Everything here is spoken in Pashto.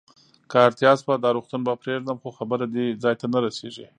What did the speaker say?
که اړتیا شوه، دا روغتون به پرېږدم، خو خبره دې ځای ته نه رسېږي.